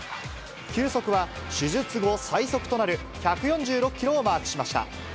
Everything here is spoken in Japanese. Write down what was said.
球速は、手術後最速となる１４６キロをマークしました。